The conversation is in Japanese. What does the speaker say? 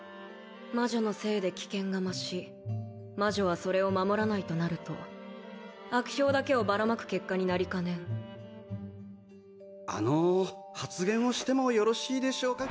魔女のせいで危険が増し魔女はそれを守らないとなると悪評だけをばらまく結果になりかねんあの発言をしてもよろしいでしょうか